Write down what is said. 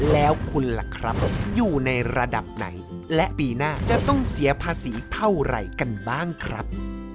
แล้วคุณล่ะครับอยู่ในระดับไหนและปีหน้าจะต้องเสียภาษีเท่าไหร่กันบ้างครับ